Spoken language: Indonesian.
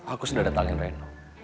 aku sudah datangin reno